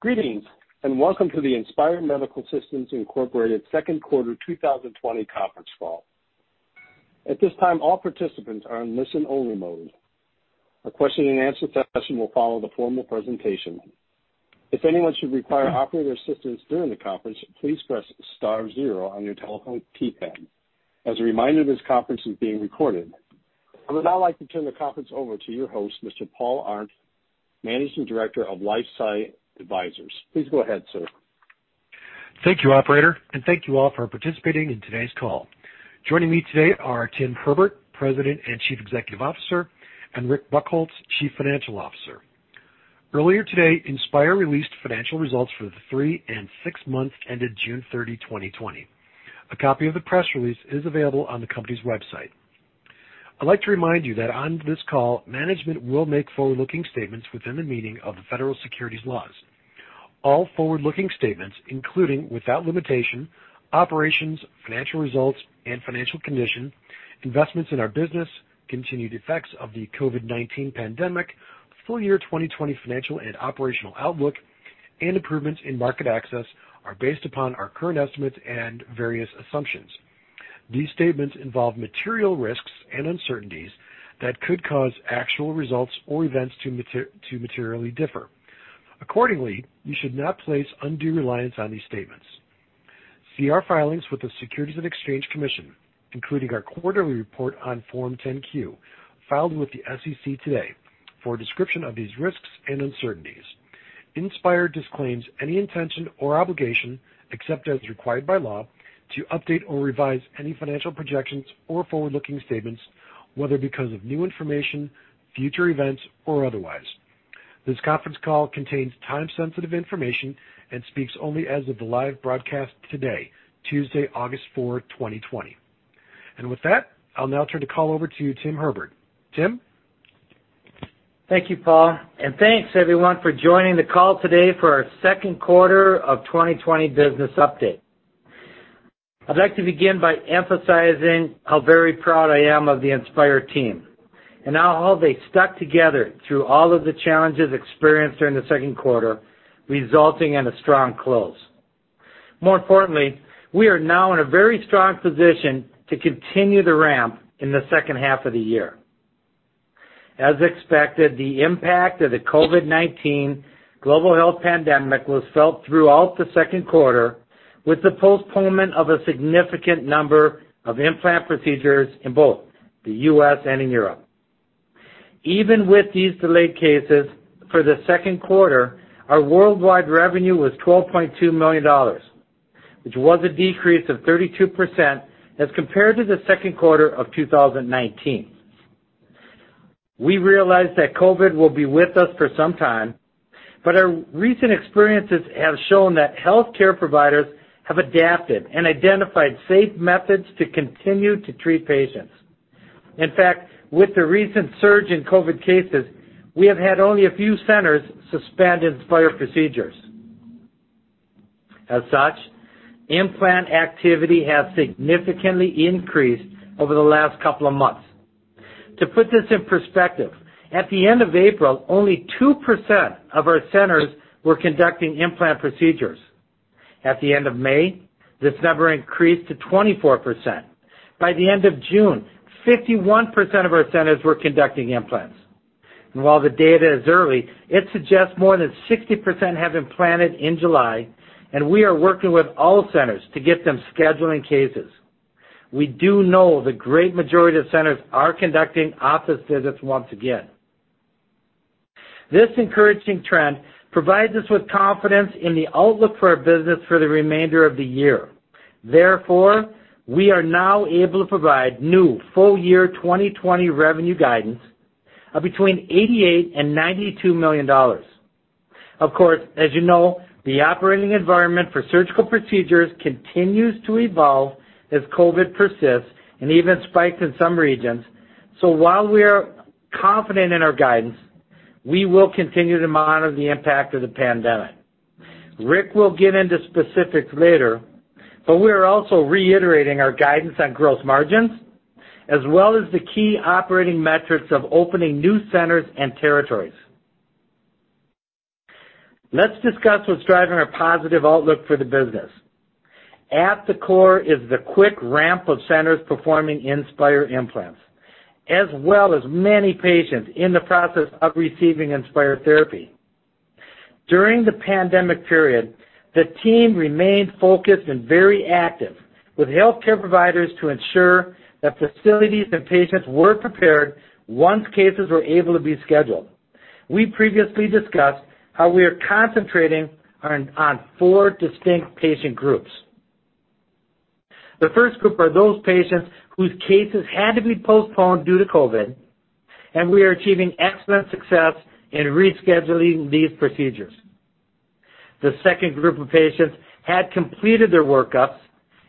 Greetings, and welcome to the Inspire Medical Systems, Inc. second quarter 2020 conference call. At this time, all participants are in listen-only mode. A question and answer session will follow the formal presentation. If anyone should require operator assistance during the conference, please press star zero on your telephone key pad. As a reminder, this conference is being recorded. I would now like to turn the conference over to your host, Mr. Paul Arndt, Managing Director of LifeSci Advisors. Please go ahead, sir. Thank you, operator, and thank you all for participating in today's call. Joining me today are Tim Herbert, President and Chief Executive Officer, and Rick Buchholz, Chief Financial Officer. Earlier today, Inspire released financial results for the three and six months ended June 30, 2020. A copy of the press release is available on the company's website. I'd like to remind you that on this call, management will make forward-looking statements within the meaning of the federal securities laws. All forward-looking statements, including, without limitation, operations, financial results and financial condition, investments in our business, continued effects of the COVID-19 pandemic, full year 2020 financial and operational outlook, and improvements in market access are based upon our current estimates and various assumptions. These statements involve material risks and uncertainties that could cause actual results or events to materially differ. Accordingly, you should not place undue reliance on these statements. See our filings with the Securities and Exchange Commission, including our quarterly report on Form 10-Q filed with the SEC today, for a description of these risks and uncertainties. Inspire disclaims any intention or obligation, except as required by law, to update or revise any financial projections or forward-looking statements, whether because of new information, future events, or otherwise. This conference call contains time-sensitive information and speaks only as of the live broadcast today, Tuesday, August 4th, 2020. With that, I'll now turn the call over to Tim Herbert. Tim? Thank you, Paul, and thanks everyone for joining the call today for our second quarter of 2020 business update. I'd like to begin by emphasizing how very proud I am of the Inspire team and how they stuck together through all of the challenges experienced during the second quarter, resulting in a strong close. More importantly, we are now in a very strong position to continue the ramp in the second half of the year. As expected, the impact of the COVID-19 global health pandemic was felt throughout the second quarter, with the postponement of a significant number of implant procedures in both the U.S. and in Europe. Even with these delayed cases, for the second quarter, our worldwide revenue was $12.2 million, which was a decrease of 32% as compared to the second quarter of 2019. We realize that COVID will be with us for some time, but our recent experiences have shown that healthcare providers have adapted and identified safe methods to continue to treat patients. In fact, with the recent surge in COVID cases, we have had only a few centers suspend Inspire procedures. As such, implant activity has significantly increased over the last couple of months. To put this in perspective, at the end of April, only 2% of our centers were conducting implant procedures. At the end of May, this number increased to 24%. By the end of June, 51% of our centers were conducting implants. While the data is early, it suggests more than 60% have implanted in July, and we are working with all centers to get them scheduling cases. We do know the great majority of centers are conducting office visits once again. This encouraging trend provides us with confidence in the outlook for our business for the remainder of the year. We are now able to provide new full year 2020 revenue guidance of between $88 million and $92 million. Of course, as you know, the operating environment for surgical procedures continues to evolve as COVID persists and even spikes in some regions. While we are confident in our guidance, we will continue to monitor the impact of the pandemic. Rick will get into specifics later, but we are also reiterating our guidance on gross margins, as well as the key operating metrics of opening new centers and territories. Let's discuss what's driving our positive outlook for the business. At the core is the quick ramp of centers performing Inspire implants, as well as many patients in the process of receiving Inspire therapy. During the pandemic period, the team remained focused and very active with healthcare providers to ensure that facilities and patients were prepared once cases were able to be scheduled. We previously discussed how we are concentrating on four distinct patient groups. The first group are those patients whose cases had to be postponed due to COVID, and we are achieving excellent success in rescheduling these procedures. The second group of patients had completed their work-ups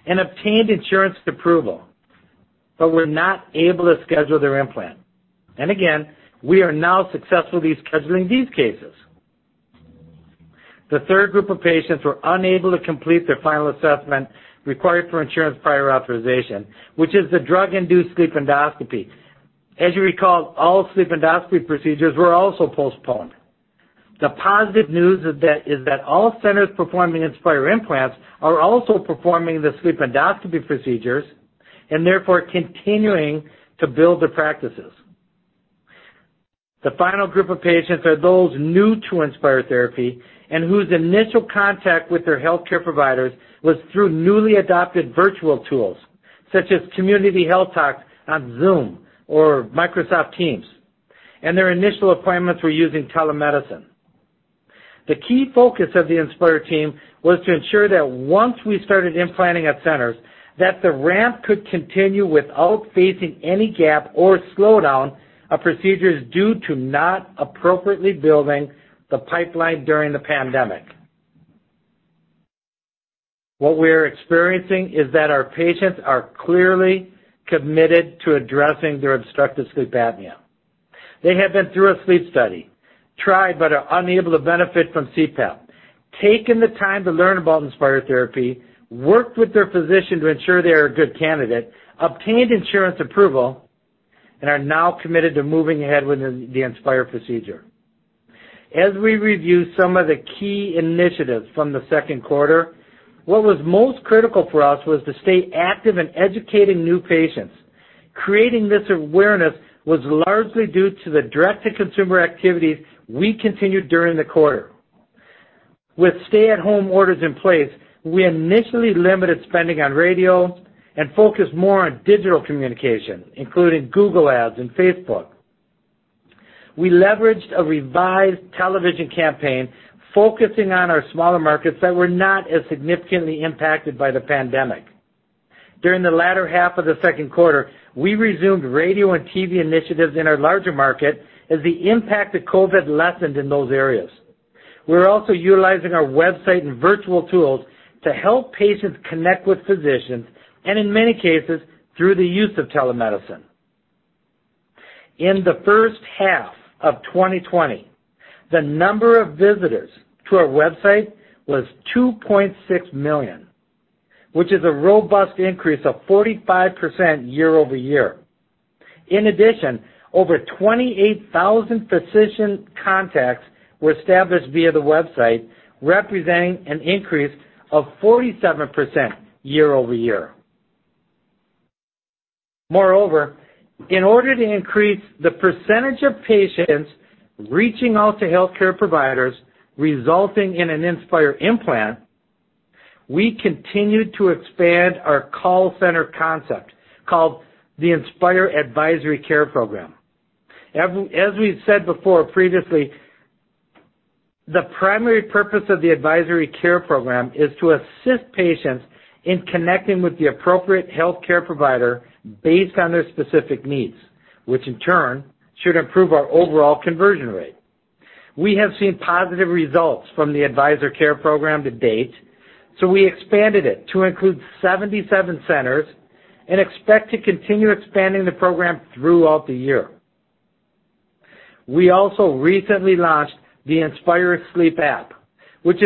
and obtained insurance approval, but were not able to schedule their implant. Again, we are now successfully scheduling these cases. The third group of patients were unable to complete their final assessment required for insurance prior authorization, which is the drug-induced sleep endoscopy. As you recall, all sleep endoscopy procedures were also postponed. The positive news is that all centers performing Inspire implants are also performing the sleep endoscopy procedures, and therefore continuing to build their practices. The final group of patients are those new to Inspire therapy and whose initial contact with their healthcare providers was through newly adopted virtual tools, such as community health talks on Zoom or Microsoft Teams, and their initial appointments were using telemedicine. The key focus of the Inspire team was to ensure that once we started implanting at centers, that the ramp could continue without facing any gap or slowdown of procedures due to not appropriately building the pipeline during the pandemic. What we're experiencing is that our patients are clearly committed to addressing their obstructive sleep apnea. They have been through a sleep study, tried but are unable to benefit from CPAP, taken the time to learn about Inspire therapy, worked with their physician to ensure they are a good candidate, obtained insurance approval, and are now committed to moving ahead with the Inspire procedure. As we review some of the key initiatives from the second quarter, what was most critical for us was to stay active in educating new patients. Creating this awareness was largely due to the direct-to-consumer activities we continued during the quarter. With stay-at-home orders in place, we initially limited spending on radio and focused more on digital communication, including Google ads and Facebook. We leveraged a revised television campaign focusing on our smaller markets that were not as significantly impacted by the pandemic. During the latter half of the second quarter, we resumed radio and TV initiatives in our larger market as the impact of COVID lessened in those areas. We're also utilizing our website and virtual tools to help patients connect with physicians, and in many cases, through the use of telemedicine. In the first half of 2020, the number of visitors to our website was 2.6 million, which is a robust increase of 45% year-over-year. In addition, over 28,000 physician contacts were established via the website, representing an increase of 47% year-over-year. Moreover, in order to increase the percentage of patients reaching out to healthcare providers, resulting in an Inspire implant, we continued to expand our call center concept, called the Inspire Advisory Care Program. As we've said before previously, the primary purpose of the Advisory Care Program is to assist patients in connecting with the appropriate healthcare provider based on their specific needs, which in turn should improve our overall conversion rate. We have seen positive results from the Advisor Care Program to date, so we expanded it to include 77 centers and expect to continue expanding the program throughout the year. We also recently launched the Inspire Sleep app, which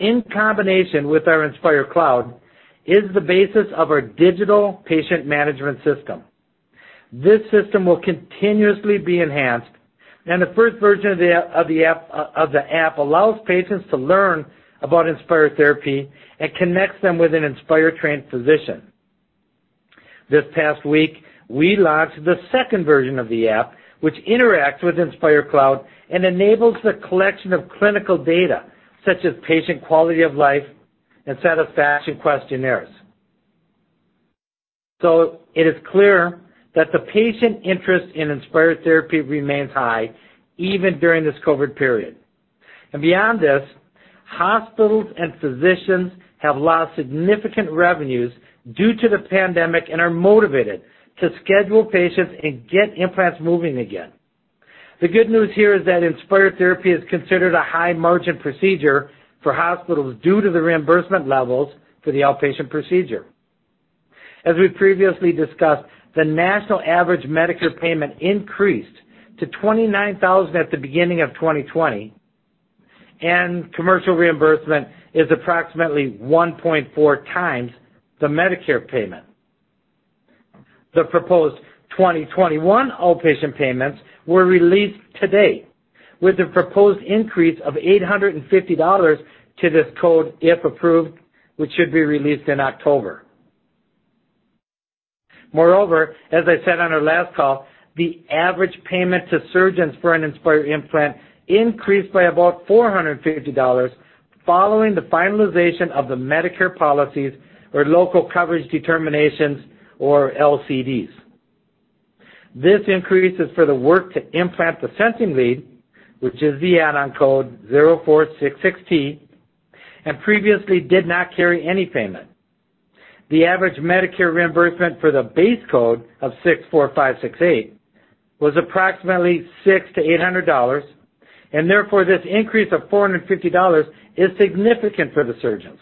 in combination with our Inspire Cloud, is the basis of our digital patient management system. This system will continuously be enhanced, and the first version of the app allows patients to learn about Inspire therapy and connects them with an Inspire-trained physician. This past week, we launched the second version of the app, which interacts with Inspire Cloud and enables the collection of clinical data such as patient quality of life and satisfaction questionnaires. It is clear that the patient interest in Inspire therapy remains high even during this COVID period. Beyond this, hospitals and physicians have lost significant revenues due to the pandemic and are motivated to schedule patients and get implants moving again. The good news here is that Inspire therapy is considered a high-margin procedure for hospitals due to the reimbursement levels for the outpatient procedure. As we previously discussed, the national average Medicare payment increased to $29,000 at the beginning of 2020, and commercial reimbursement is approximately 1.4x the Medicare payment. The proposed 2021 outpatient payments were released today with a proposed increase of $850 to this code if approved, which should be released in October. Moreover, as I said on our last call, the average payment to surgeons for an Inspire implant increased by about $430 following the finalization of the Medicare policies or local coverage determinations or LCDs. This increase is for the work to implant the sensing lead, which is the add-on code 0466T, and previously did not carry any payment. The average Medicare reimbursement for the base code of 64568 was approximately $600-$800, and therefore this increase of $450 is significant for the surgeons.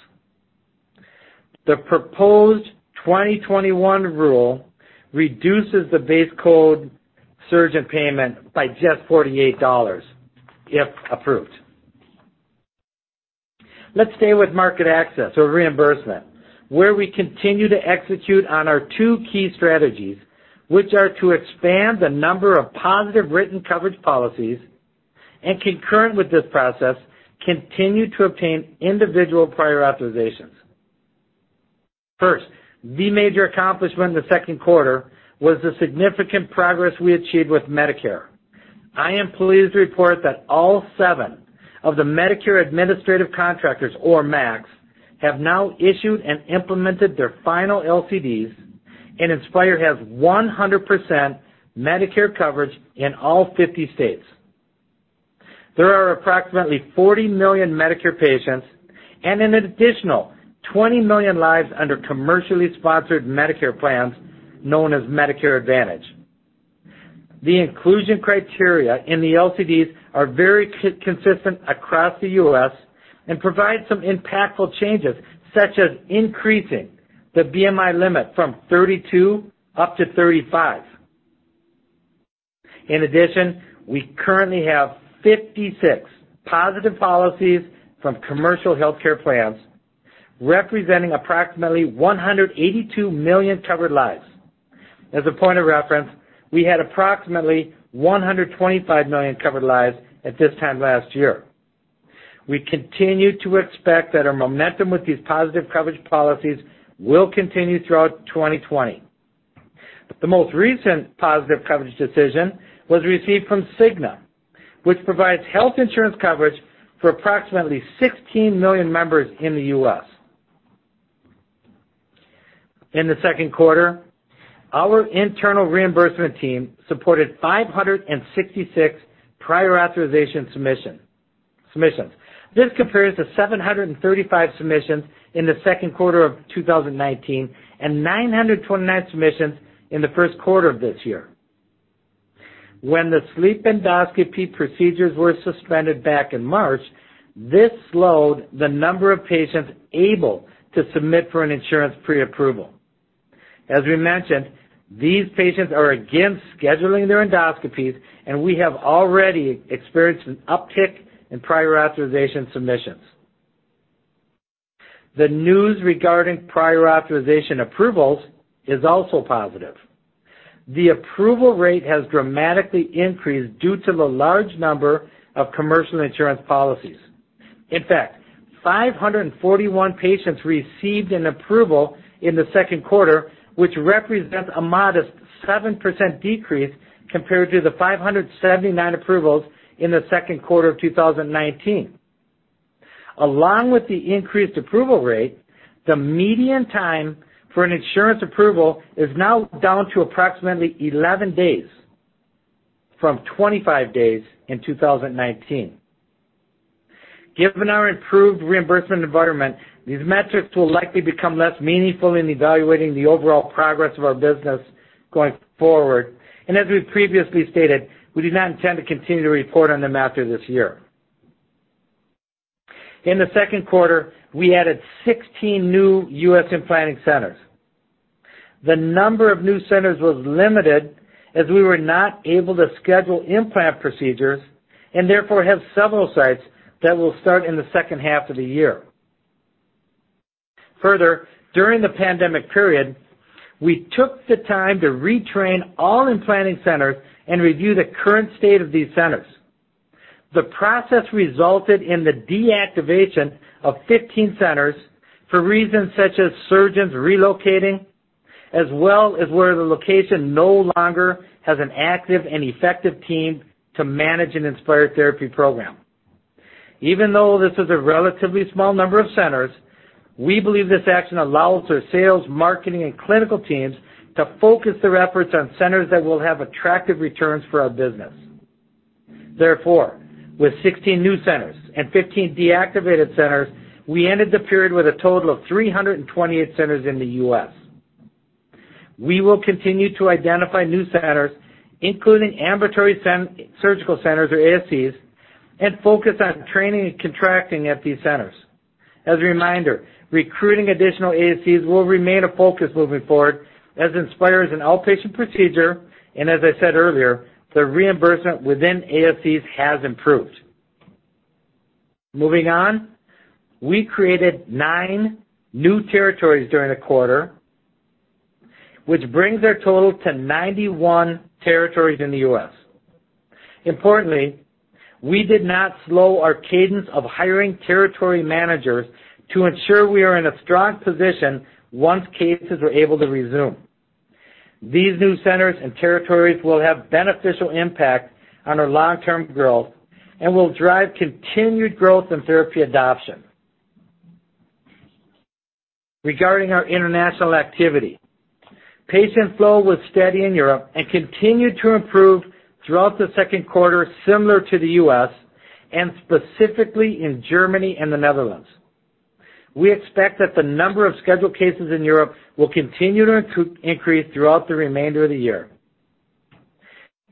The proposed 2021 rule reduces the base code surgeon payment by just $48 if approved. Let's stay with market access or reimbursement, where we continue to execute on our two key strategies, which are to expand the number of positive written coverage policies, and concurrent with this process, continue to obtain individual prior authorizations. First, the major accomplishment in the second quarter was the significant progress we achieved with Medicare. I am pleased to report that all seven of the Medicare administrative contractors, or MACs, have now issued and implemented their final LCDs, and Inspire has 100% Medicare coverage in all 50 states. There are approximately 40 million Medicare patients and an additional 20 million lives under commercially sponsored Medicare plans, known as Medicare Advantage. The inclusion criteria in the LCDs are very consistent across the U.S. and provide some impactful changes, such as increasing the BMI limit from 32 up to 35. In addition, we currently have 56 positive policies from commercial healthcare plans, representing approximately 182 million covered lives. As a point of reference, we had approximately 125 million covered lives at this time last year. We continue to expect that our momentum with these positive coverage policies will continue throughout 2020. The most recent positive coverage decision was received from Cigna, which provides health insurance coverage for approximately 16 million members in the U.S. In the second quarter, our internal reimbursement team supported 566 prior authorization submissions. This compares to 735 submissions in the second quarter of 2019 and 929 submissions in the first quarter of this year. When the sleep endoscopy procedures were suspended back in March, this slowed the number of patients able to submit for an insurance preapproval. As we mentioned, these patients are again scheduling their endoscopies, and we have already experienced an uptick in prior authorization submissions. The news regarding prior authorization approvals is also positive. The approval rate has dramatically increased due to the large number of commercial insurance policies. In fact, 541 patients received an approval in the second quarter, which represents a modest 7% decrease compared to the 579 approvals in the second quarter of 2019. Along with the increased approval rate, the median time for an insurance approval is now down to approximately 11 days, from 25 days in 2019. Given our improved reimbursement environment, these metrics will likely become less meaningful in evaluating the overall progress of our business quite forward. As we've previously stated, we do not intend to continue to report on them after this year. In the second quarter, we added 16 new U.S. implanting centers. The number of new centers was limited, as we were not able to schedule implant procedures, and therefore have several sites that will start in the second half of the year. Further, during the pandemic period, we took the time to retrain all implanting centers and review the current state of these centers. The process resulted in the deactivation of 15 centers for reasons such as surgeons relocating, as well as where the location no longer has an active and effective team to manage an Inspire therapy program. Even though this is a relatively small number of centers, we believe this action allows our sales, marketing, and clinical teams to focus their efforts on centers that will have attractive returns for our business. Therefore, with 16 new centers and 15 deactivated centers, we ended the period with a total of 328 centers in the U.S. We will continue to identify new centers, including ambulatory surgical centers, or ASCs, and focus on training and contracting at these centers. As a reminder, recruiting additional ASCs will remain a focus moving forward, as Inspire is an outpatient procedure, and as I said earlier, the reimbursement within ASCs has improved. Moving on, we created nine new territories during the quarter, which brings our total to 91 territories in the U.S. Importantly, we did not slow our cadence of hiring territory managers to ensure we are in a strong position once cases are able to resume. These new centers and territories will have beneficial impact on our long-term growth and will drive continued growth in therapy adoption. Regarding our international activity, patient flow was steady in Europe and continued to improve throughout the second quarter, similar to the U.S., and specifically in Germany and the Netherlands. We expect that the number of scheduled cases in Europe will continue to increase throughout the remainder of the year.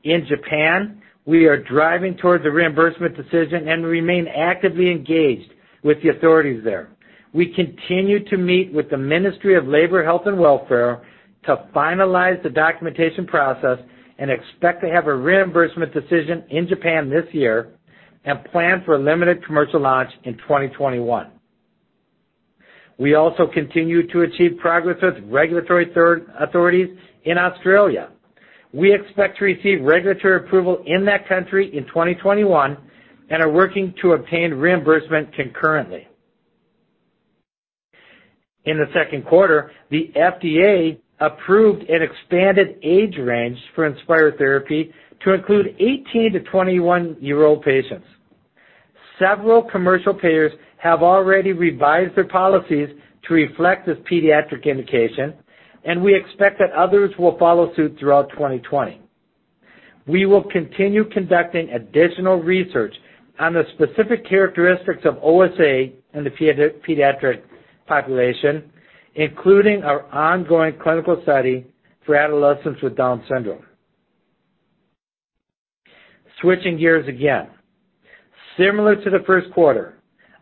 In Japan, we are driving towards a reimbursement decision and remain actively engaged with the authorities there. We continue to meet with the Ministry of Labour Health and Welfare to finalize the documentation process and expect to have a reimbursement decision in Japan this year and plan for a limited commercial launch in 2021. We also continue to achieve progress with regulatory authorities in Australia. We expect to receive regulatory approval in that country in 2021 and are working to obtain reimbursement concurrently. In the second quarter, the FDA approved an expanded age range for Inspire therapy to include 18 to 21-year-old patients. Several commercial payers have already revised their policies to reflect this pediatric indication, and we expect that others will follow suit throughout 2020. We will continue conducting additional research on the specific characteristics of OSA in the pediatric population, including our ongoing clinical study for adolescents with Down syndrome. Switching gears again. Similar to the first quarter,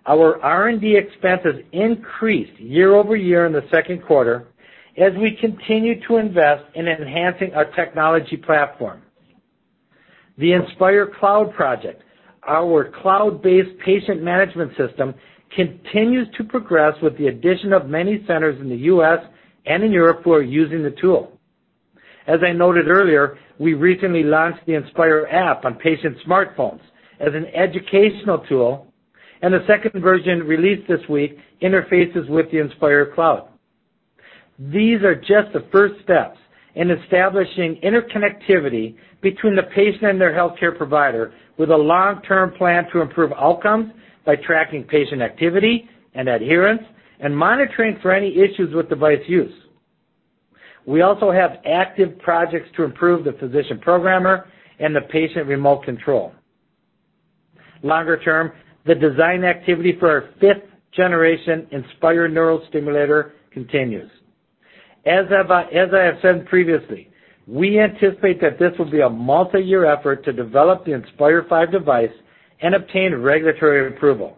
our R&D expenses increased year-over-year in the second quarter as we continued to invest in enhancing our technology platform. The Inspire Cloud project, our cloud-based patient management system, continues to progress with the addition of many centers in the U.S. and in Europe who are using the tool. As I noted earlier, we recently launched the Inspire app on patient smartphones as an educational tool, and the second version released this week interfaces with the Inspire Cloud. These are just the first steps in establishing interconnectivity between the patient and their healthcare provider with a long-term plan to improve outcomes by tracking patient activity and adherence and monitoring for any issues with device use. We also have active projects to improve the physician programmer and the patient remote control. Longer term, the design activity for our fifth generation Inspire neurostimulator continues. As I have said previously, we anticipate that this will be a multi-year effort to develop the Inspire V neurostimulator and obtain regulatory approval.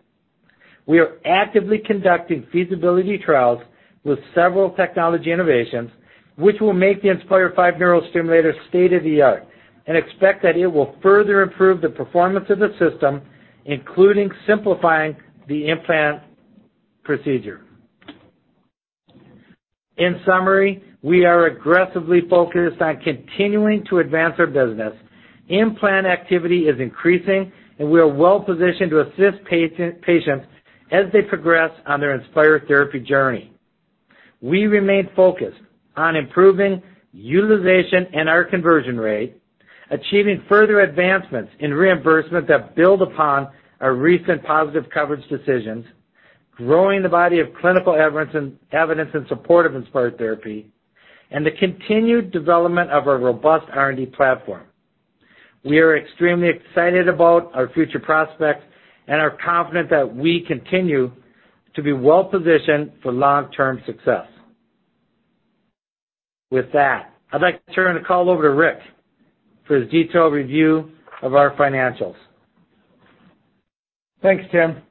We are actively conducting feasibility trials with several technology innovations which will make the Inspire V neurostimulator state-of-the-art and expect that it will further improve the performance of the system, including simplifying the implant procedure. In summary, we are aggressively focused on continuing to advance our business. Implant activity is increasing, and we are well-positioned to assist patients as they progress on their Inspire therapy journey. We remain focused on improving utilization and our conversion rate, achieving further advancements in reimbursement that build upon our recent positive coverage decisions, growing the body of clinical evidence in support of Inspire therapy, and the continued development of our robust R&D platform. We are extremely excited about our future prospects and are confident that we continue to be well-positioned for long-term success. With that, I'd like to turn the call over to Rick for his detailed review of our financials. Thanks, Tim.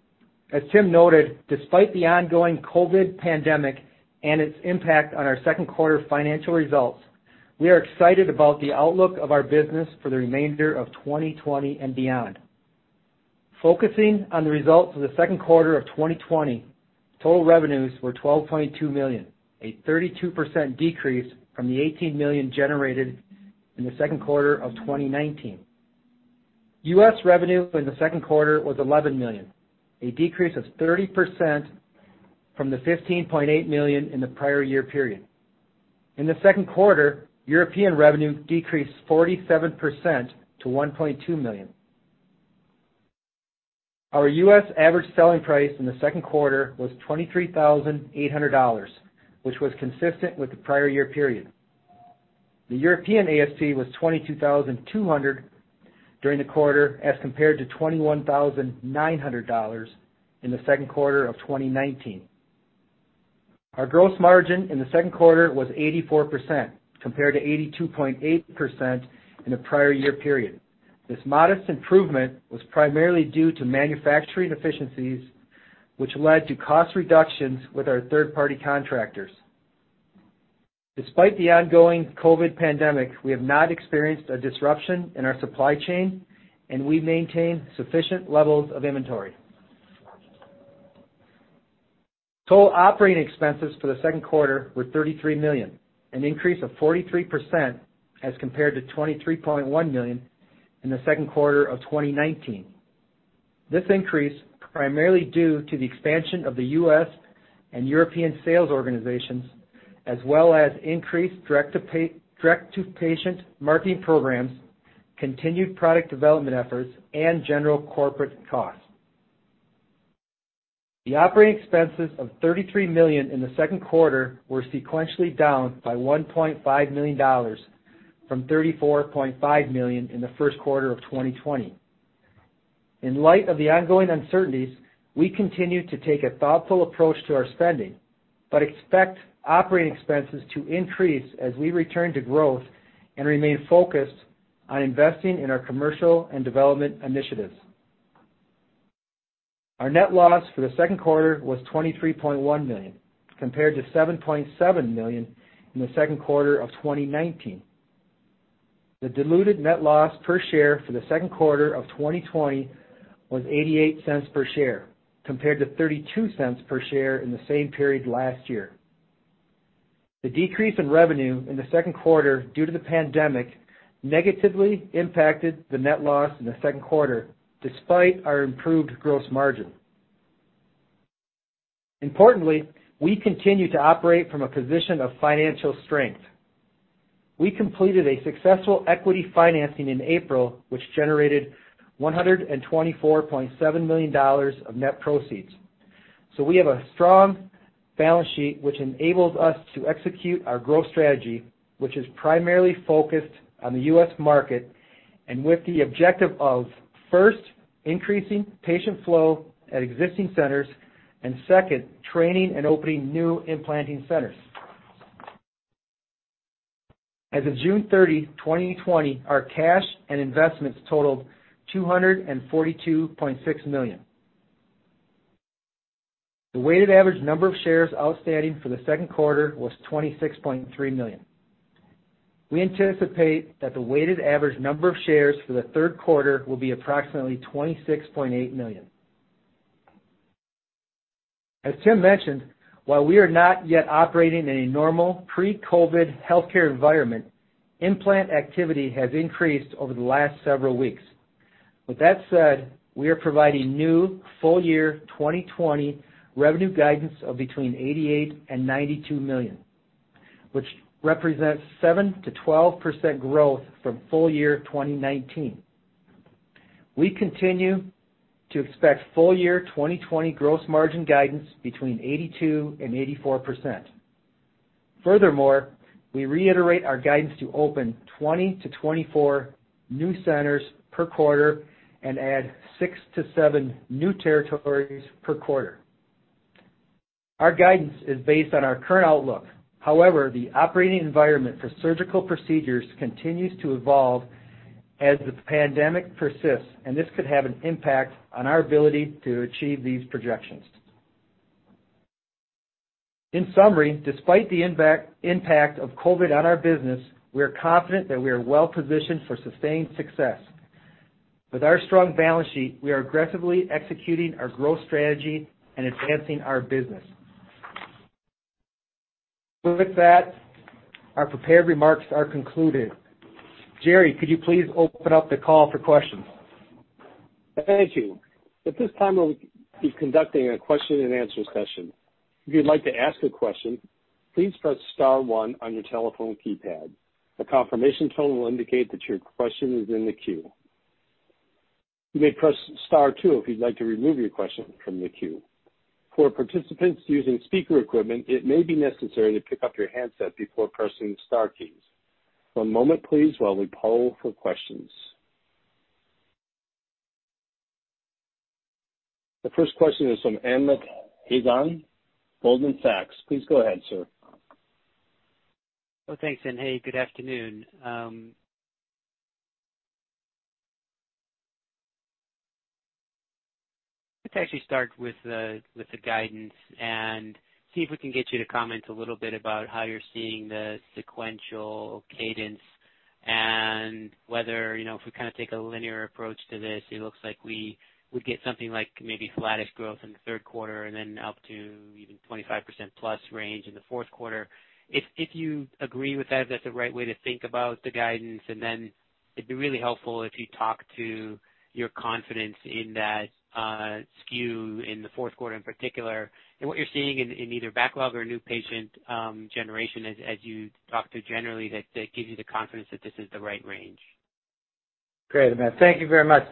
As Tim noted, despite the ongoing COVID pandemic and its impact on our second quarter financial results, we are excited about the outlook of our business for the remainder of 2020 and beyond. Focusing on the results of the second quarter of 2020, total revenues were $12.2 million, a 32% decrease from the $18 million generated in the second quarter of 2019. U.S. revenue in the second quarter was $11 million, a decrease of 30% from the $15.8 million in the prior year period. In the second quarter, European revenue decreased 47% to $1.2 million. Our U.S. average selling price in the second quarter was $23,800, which was consistent with the prior year period. The European ASP was $22,200 during the quarter as compared to $21,900 in the second quarter of 2019. Our gross margin in the second quarter was 84% compared to 82.8% in the prior year period. This modest improvement was primarily due to manufacturing efficiencies, which led to cost reductions with our third-party contractors. Despite the ongoing COVID-19 pandemic, we have not experienced a disruption in our supply chain, and we maintain sufficient levels of inventory. Total operating expenses for the second quarter were $33 million, an increase of 43% as compared to $23.1 million in the second quarter of 2019. This increase primarily due to the expansion of the U.S. and European sales organizations as well as increased direct-to-patient marketing programs, continued product development efforts, and general corporate costs. The operating expenses of $33 million in the second quarter were sequentially down by $1.5 million from $34.5 million in the first quarter of 2020. In light of the ongoing uncertainties, we continue to take a thoughtful approach to our spending. Expect operating expenses to increase as we return to growth and remain focused on investing in our commercial and development initiatives. Our net loss for the second quarter was $23.1 million, compared to $7.7 million in the second quarter of 2019. The diluted net loss per share for the second quarter of 2020 was $0.88/share, compared to $0.32/share in the same period last year. The decrease in revenue in the second quarter due to the pandemic negatively impacted the net loss in the second quarter, despite our improved gross margin. Importantly, we continue to operate from a position of financial strength. We completed a successful equity financing in April, which generated $124.7 million of net proceeds. We have a strong balance sheet, which enables us to execute our growth strategy, which is primarily focused on the U.S. market, and with the objective of, first, increasing patient flow at existing centers, and second, training and opening new implanting centers. As of June 30, 2020, our cash and investments totaled $242.6 million. The weighted average number of shares outstanding for the second quarter was 26.3 million. We anticipate that the weighted average number of shares for the third quarter will be approximately 26.8 million. As Tim mentioned, while we are not yet operating in a normal pre-COVID-19 healthcare environment, implant activity has increased over the last several weeks. With that said, we are providing new full year 2020 revenue guidance of between $88 million and $92 million, which represents 7%-12% growth from full year 2019. We continue to expect full year 2020 gross margin guidance between 82% and 84%. Furthermore, we reiterate our guidance to open 20-24 new centers per quarter and add six to seven new territories per quarter. Our guidance is based on our current outlook. However, the operating environment for surgical procedures continues to evolve as the pandemic persists, and this could have an impact on our ability to achieve these projections. In summary, despite the impact of COVID-19 on our business, we are confident that we are well-positioned for sustained success. With our strong balance sheet, we are aggressively executing our growth strategy and advancing our business. With that, our prepared remarks are concluded. Jerry, could you please open up the call for questions? Thank you. At this time we will be conducting a question-and-answer session. If you'd like to ask a question, please press star one on your telephone keypad. A confirmation tone will indicate that your question is in the queue. You may press star two if you'd like to remove your question from the queue. For participant using a speaker equipment it maybe necessary to pick up your handset before pressing star keys. One moment please as we poll for question. The first question is from Amit Hazan, Goldman Sachs. Please go ahead, sir. Well, thanks, hey, good afternoon. Let's actually start with the guidance and see if we can get you to comment a little bit about how you're seeing the sequential cadence and whether, if we take a linear approach to this, it looks like we would get something like maybe flattish growth in the third quarter and then up to even 25%+ range in the fourth quarter. If you agree with that, if that's the right way to think about the guidance? It'd be really helpful if you talk to your confidence in that skew in the fourth quarter in particular. What you're seeing in either backlog or new patient generation as you talk to generally that gives you the confidence that this is the right range? Great, Amit. Thank you very much.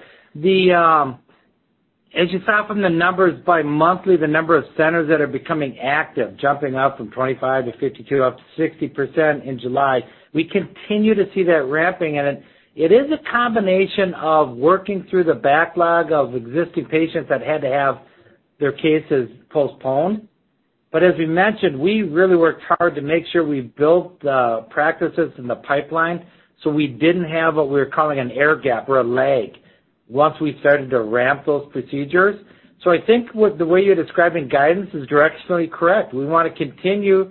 As you saw from the numbers by monthly, the number of centers that are becoming active, jumping up from 25% to 52%, up to 60% in July. We continue to see that ramping. It is a combination of working through the backlog of existing patients that had to have their cases postponed. As we mentioned, we really worked hard to make sure we built the practices in the pipeline so we didn't have what we were calling an air gap or a lag once we started to ramp those procedures. I think with the way you're describing guidance is directionally correct. We want to continue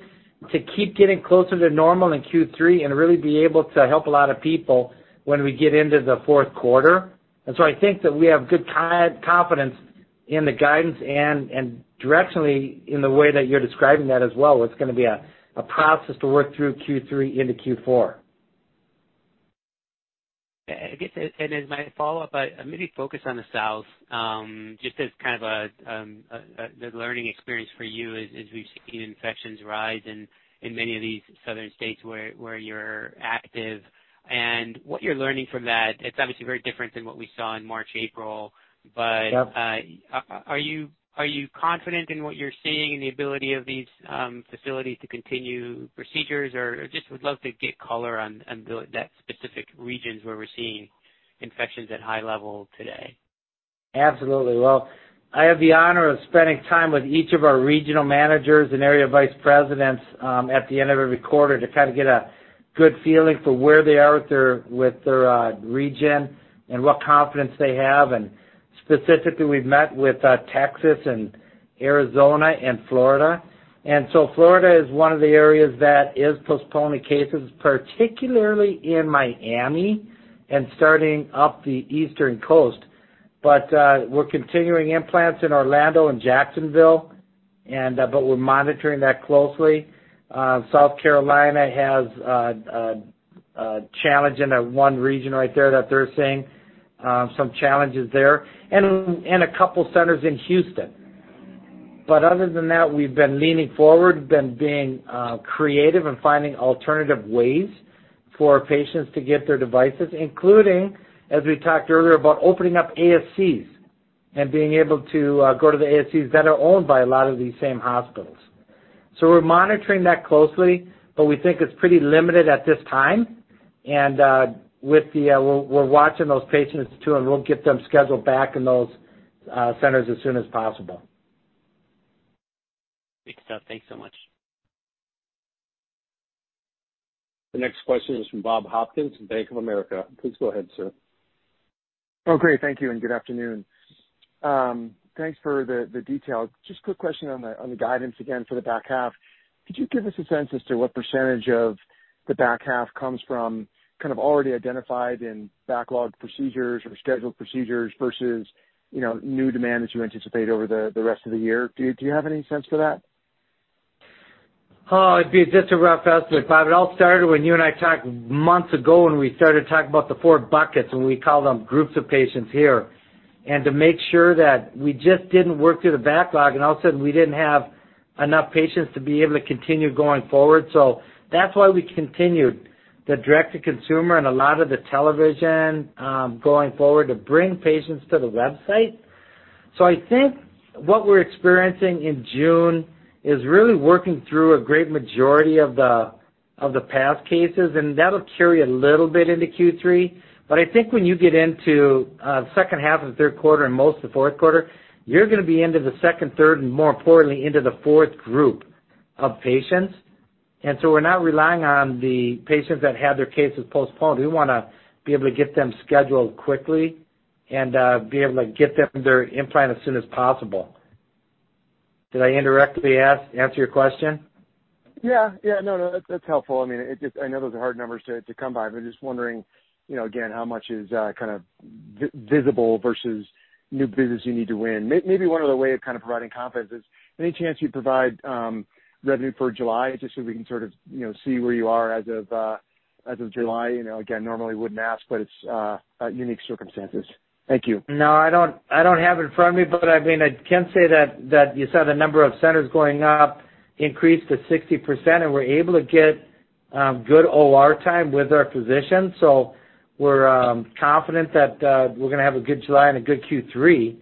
to keep getting closer to normal in Q3 and really be able to help a lot of people when we get into the fourth quarter. I think that we have good confidence in the guidance and directionally in the way that you're describing that as well. It's going to be a process to work through Q3 into Q4. I guess, as my follow-up, maybe focus on the South, just as kind of the learning experience for you as we've seen infections rise in many of these southern states where you're active and what you're learning from that. It's obviously very different than what we saw in March, April. Yep. Are you confident in what you're seeing in the ability of these facilities to continue procedures? I just would love to get color on that specific regions where we're seeing infections at high level today. Absolutely. Well, I have the honor of spending time with each of our regional managers and area vice presidents at the end of every quarter to kind of get a good feeling for where they are with their region and what confidence they have. Specifically, we've met with Texas and Arizona and Florida. Florida is one of the areas that is postponing cases, particularly in Miami and starting up the eastern coast. We're continuing implants in Orlando and Jacksonville, but we're monitoring that closely. South Carolina has a challenge in one region right there that they're seeing some challenges there. A couple centers in Houston. Other than that, we've been leaning forward, been being creative and finding alternative ways for patients to get their devices, including, as we talked earlier about opening up ASCs and being able to go to the ASCs that are owned by a lot of these same hospitals. We're monitoring that closely, but we think it's pretty limited at this time. We're watching those patients too, and we'll get them scheduled back in those centers as soon as possible. Great stuff. Thanks so much. The next question is from Bob Hopkins from Bank of America. Please go ahead, sir. Oh, great. Thank you, and good afternoon. Thanks for the details. Just quick question on the guidance again for the back half. Could you give us a sense as to what percentage of the back half comes from kind of already identified and backlogged procedures or scheduled procedures versus new demand that you anticipate over the rest of the year? Do you have any sense to that? Oh, it'd be just a rough estimate, Bob. It all started when you and I talked months ago, we started talking about the four buckets, and we call them groups of patients here. To make sure that we just didn't work through the backlog, and all of a sudden, we didn't have enough patients to be able to continue going forward. That's why we continued the direct-to-consumer and a lot of the television going forward to bring patients to the website. I think what we're experiencing in June is really working through a great majority of the past cases, and that'll carry a little bit into Q3. I think when you get into second half of the third quarter and most of the fourth quarter, you're going to be into the second, third, and more importantly, into the fourth group of patients. We're not relying on the patients that had their cases postponed. We want to be able to get them scheduled quickly and be able to get them their implant as soon as possible. Did I indirectly answer your question? Yeah. No, that's helpful. I know those are hard numbers to come by, but just wondering, again, how much is kind of visible versus new business you need to win. Maybe one other way of kind of providing confidence is any chance you'd provide revenue for July just so we can sort of see where you are as of July? Again, normally wouldn't ask, but it's unique circumstances. Thank you. No, I don't have it in front of me. But I can say that you saw the number of centers going up increase to 60%, and we're able to get good OR time with our physicians. So we're confident that we're going to have a good July and a good Q3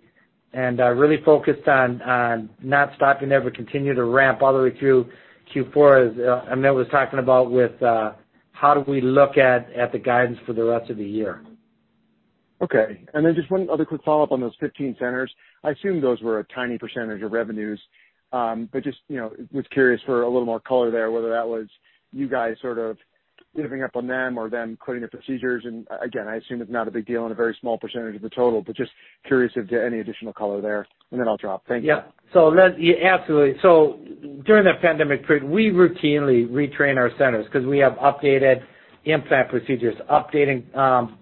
and really focused on not stopping, ever continue to ramp all the way through Q4 as Amit was talking about with how do we look at the guidance for the rest of the year. Okay. Just one other quick follow-up on those 15 centers. I assume those were a tiny percentage of revenues. Just was curious for a little more color there, whether that was you guys sort of giving up on them or them quitting the procedures. I assume it's not a big deal and a very small percentage of the total, but just curious if there any additional color there, and then I'll drop. Thank you. Yeah. Absolutely. During the pandemic period, we routinely retrain our centers because we have updated implant procedures, updating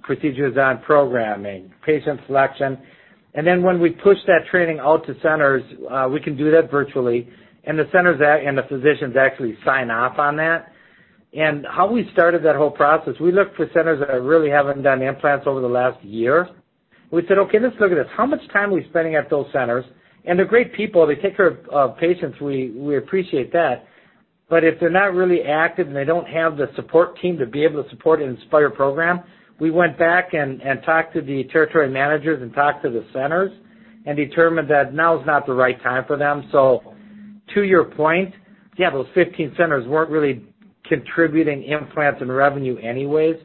procedures on programming, patient selection. When we push that training out to centers, we can do that virtually, and the physicians actually sign off on that. How we started that whole process, we looked for centers that really haven't done implants over the last year. We said, "Okay, let's look at this. How much time are we spending at those centers?" They're great people. They take care of patients. We appreciate that. If they're not really active and they don't have the support team to be able to support an Inspire program, we went back and talked to the territory managers and talked to the centers and determined that now is not the right time for them. To your point, yeah, those 15 centers weren't really contributing implants and revenue anyways.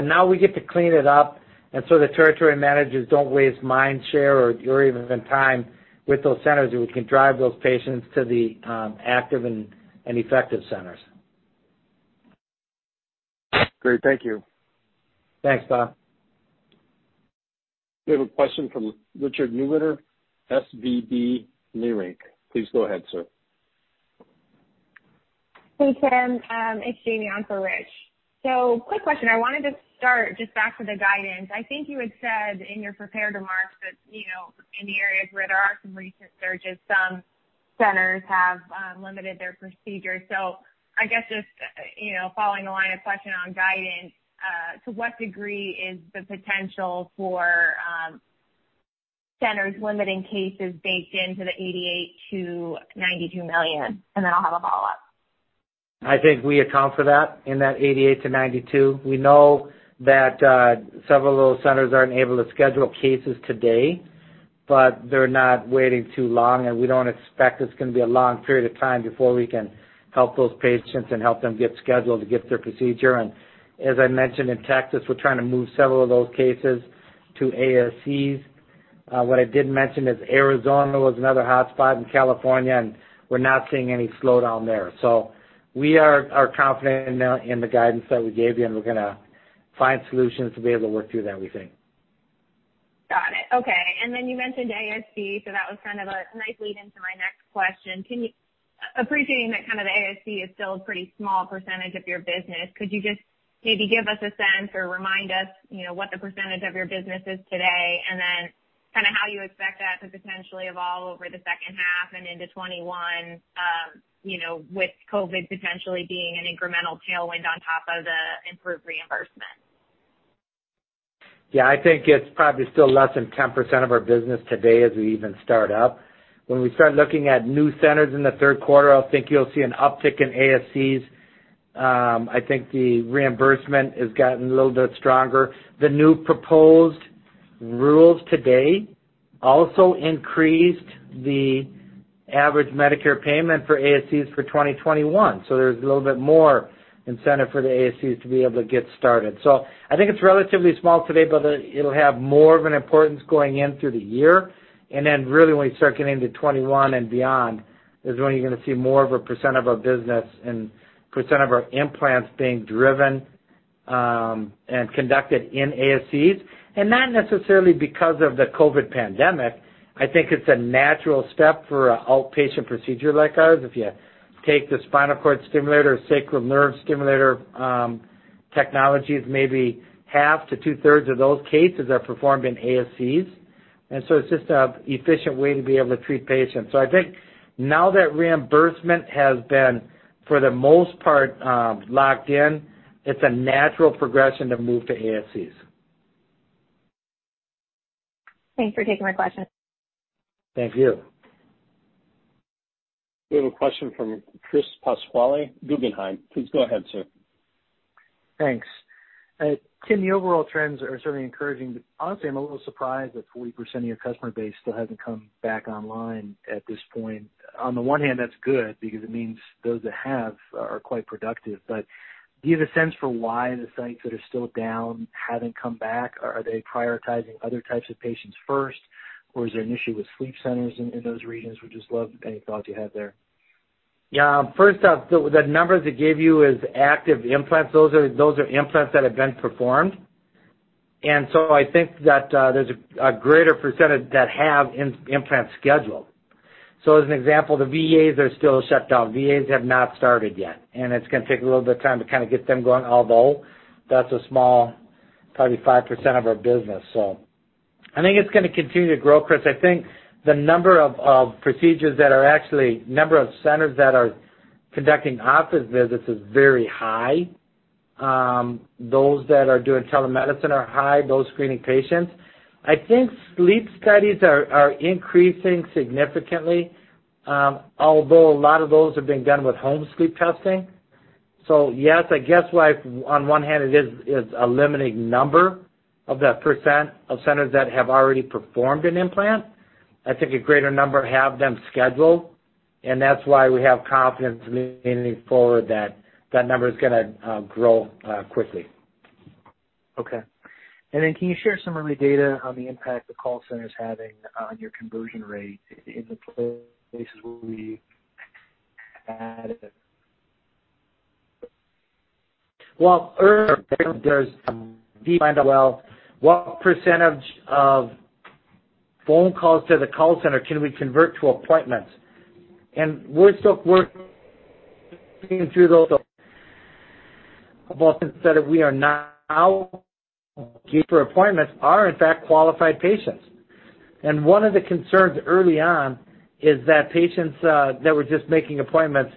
Now we get to clean it up, and so the territory managers don't waste mind share or even time with those centers, and we can drive those patients to the active and effective centers. Great. Thank you. Thanks, Bob. We have a question from Richard Newitter, SVB Leerink. Please go ahead, sir. Hey, Tim. It's Jamie on for Rich. Quick question. I wanted to start just back to the guidance. I think you had said in your prepared remarks that in the areas where there are some recent surges, some centers have limited their procedures. I guess just following the line of questioning on guidance, to what degree is the potential for centers limiting cases baked into the $88 million-$92 million? I'll have a follow-up. I think we account for that in that $88 million-$92million. We know that several of those centers aren't able to schedule cases today, but they're not waiting too long, and we don't expect it's going to be a long period of time before we can help those patients and help them get scheduled to get their procedure. As I mentioned, in Texas, we're trying to move several of those cases to ASCs. What I didn't mention is Arizona was another hot spot and California, we're not seeing any slowdown there. We are confident in the guidance that we gave you, and we're going to find solutions to be able to work through that, we think. Got it. Okay. You mentioned ASC, so that was kind of a nice lead into my next question. Appreciating that kind of the ASC is still a pretty small percentage of your business, could you just maybe give us a sense or remind us what the percentage of your business is today, and then how you expect that to potentially evolve over the second half and into 2021, with COVID potentially being an incremental tailwind on top of the improved reimbursement? Yeah, I think it's probably still less than 10% of our business today as we even start up. When we start looking at new centers in the third quarter, I think you'll see an uptick in ASCs. I think the reimbursement has gotten a little bit stronger. The new proposed rules today also increased the average Medicare payment for ASCs for 2021. There's a little bit more incentive for the ASCs to be able to get started. I think it's relatively small today, but it'll have more of an importance going in through the year. Really, when we start getting into 2021 and beyond is when you're going to see more of a percent of our business and percent of our implants being driven and conducted in ASCs. Not necessarily because of the COVID pandemic. I think it's a natural step for an outpatient procedure like ours. If you take the spinal cord stimulator or sacral nerve stimulator technologies, maybe 1/2 to 2/3 of those cases are performed in ASCs. It's just an efficient way to be able to treat patients. I think now that reimbursement has been, for the most part, locked in, it's a natural progression to move to ASCs. Thanks for taking my question. Thank you. We have a question from Chris Pasquale, Guggenheim. Please go ahead, sir. Thanks. Tim, the overall trends are certainly encouraging, honestly, I'm a little surprised that 40% of your customer base still hasn't come back online at this point. On the one hand, that's good because it means those that have are quite productive. Do you have a sense for why the sites that are still down haven't come back? Are they prioritizing other types of patients first, or is there an issue with sleep centers in those regions? Would just love any thoughts you have there. Yeah. First off, the numbers they gave you is active implants. Those are implants that have been performed. I think that there's a greater percentage that have implants scheduled. as an example, the VAs are still shut down. VAs have not started yet, and it's going to take a little bit of time to kind of get them going, although that's a small, probably 5% of our business. I think it's going to continue to grow, Chris. I think the number of centers that are conducting office visits is very high. Those that are doing telemedicine are high, those screening patients. I think sleep studies are increasing significantly. Although a lot of those have been done with home sleep testing. yes, I guess why on one hand it is a limiting number of that % of centers that have already performed an implant. I think a greater number have them scheduled, and that's why we have confidence leaning forward that that number is going to grow quickly. Okay. Can you share some early data on the impact the call center's having on your conversion rate in the places where we've added? Well, earlier there is what percentage of phone calls to the call center can we convert to appointments? We are still working through those. Appointments are in fact qualified patients. One of the concerns early on is that patients that were just making appointments,